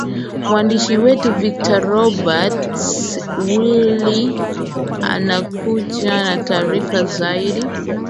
mwandishi wetu victor robert willi anakuja na taarifa zaidi